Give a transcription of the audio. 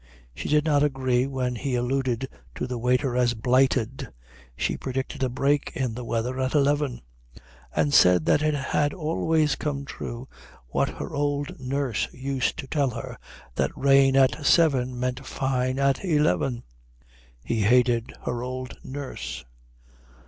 She did not agree when he alluded to the waiter as blighted. She predicted a break in the weather at eleven, and said that it had always come true what her old nurse used to tell her, that rain at seven meant fine at eleven. He hated her old nurse.